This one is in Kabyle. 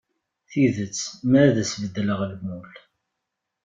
Tidet ma ad as-beddleɣ lmul.